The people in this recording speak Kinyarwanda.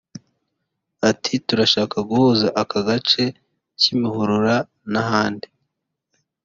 Ati “Turashaka guhuza aka gace [Kimihurura] n’ahandi